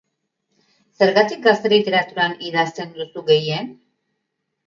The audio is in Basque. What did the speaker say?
Zergatik gazte literaturan idazten duzu gehien?